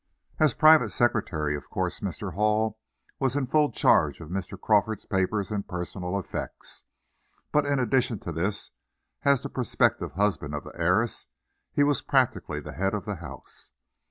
As private secretary, of course Mr. Hall was in full charge of Mr. Crawford's papers and personal effects. But, in addition to this, as the prospective husband of the heiress, he was practically the head of the house.